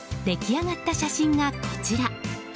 出来上がった写真がこちら。